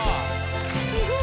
すごい。